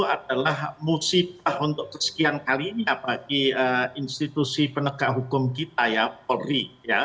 adalah musibah untuk kesekian kalinya bagi institusi penegak hukum kita ya polri